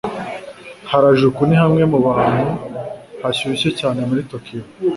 Harajuku ni hamwe mu hantu hashyushye cyane muri Tokiyo.